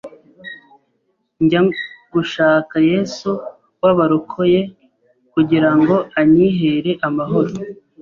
njya gushaka Yesu w’abarokore kugirango anyihere amahoro